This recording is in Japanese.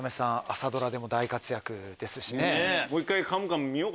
朝ドラでも大活躍ですしね。